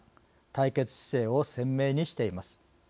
対決姿勢を鮮明にしています。